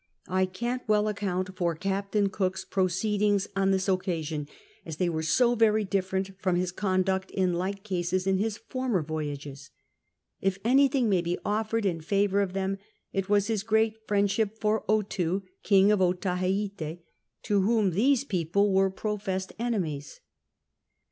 I can't well account for Captain Cook's jiroceedings on this occasion, as they w'cre so very different from his conduct in like cases in his former voyages ; if anything may be offered in favour of them, it was his great friendship for Otoo (King of Otaheite), to whom these people were professed enemies.